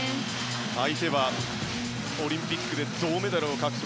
相手はオリンピックで銅メダルを獲得。